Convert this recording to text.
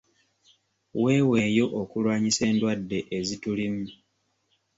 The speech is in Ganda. Weeweeyo okulwanyisa endwadde ezitulimu